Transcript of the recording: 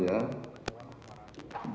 terima kasih yang mulia